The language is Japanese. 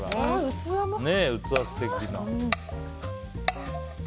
器も素敵な。